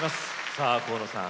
さあ河野さん